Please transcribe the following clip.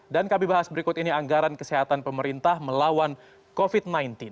dan kami bahas berikut ini anggaran kesehatan pemerintah melawan covid sembilan belas